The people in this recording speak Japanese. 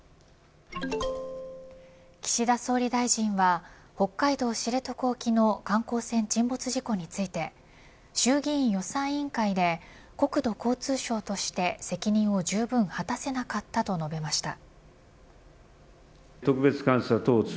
岸田総理大臣は北海道知床沖の観光船沈没事故について衆議院予算委員会で国土交通省として責任をじゅうぶん果たせなかったと述べました。